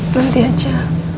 dari dia aja